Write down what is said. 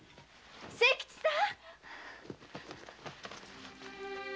清吉さん。